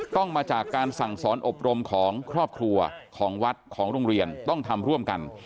ต้องมาจากการสั่งสอนอบรมของครอบครัวของวัดของโรงเรียนต้องทำร่วมกัน